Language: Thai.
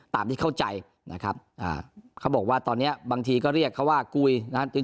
ที่เข้าใจนะครับเขาบอกว่าตอนนี้บางทีก็เรียกเขาว่ากุยนะครับ